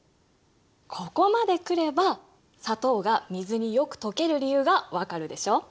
ここまで来れば砂糖が水によく溶ける理由が分かるでしょ？